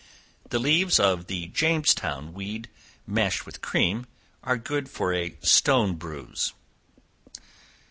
The leaves of the Jamestown weed, mashed with cream, are good for a stone bruise.